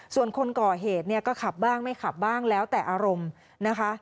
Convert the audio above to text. ส่วนคนก่อเหตุเนี่ยก็ขับบ้างไม่ขับบ้างแล้วแต่อารมณ์นะคะ